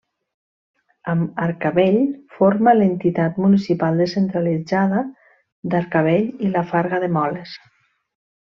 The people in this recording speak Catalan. Amb Arcavell forma l'entitat municipal descentralitzada d'Arcavell i la Farga de Moles.